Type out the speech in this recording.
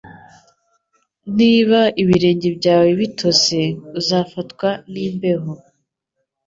Niba ibirenge byawe bitose, uzafatwa n'imbeho.